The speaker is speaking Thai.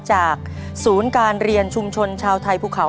จากศูนย์การเรียนชุมชนชาวไทยภูเขา